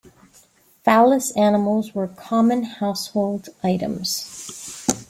Phallus-animals were common household items.